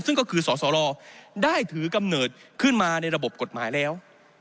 ซึ่งก็คือสสรได้ถือกำเนิดขึ้นมาในระบบกฎหมายแล้ว